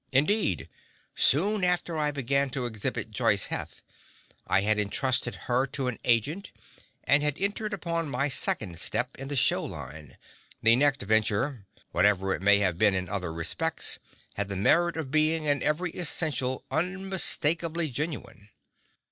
Indeed, soon after I began to exhibit Joice Heth, I had entrusted her to an agent and had entered upon my second step in the show line. The next venture, whatever it may have been in other respects, had the merit of being, in every essential, unmistakably genuine.